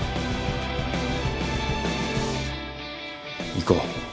行こう。